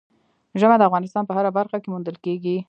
ژمی د افغانستان په هره برخه کې موندل کېږي.